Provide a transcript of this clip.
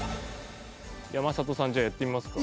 山里さんじゃあやってみますか。